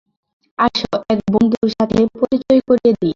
আসো এক বন্ধুর সাথে পরিচয় করিয়ে দিই।